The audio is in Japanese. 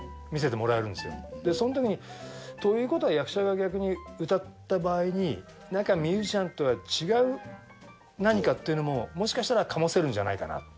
見せてもらえるんですよでそのときにということは役者が逆に歌った場合になんかミュージシャンとは違う何かっていうのももしかしたらかもせるんじゃないかな。